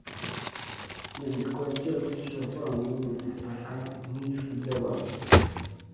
Inyandiko ya kera bityo yavanywe mu gitaka nk’ijwi ry’abantu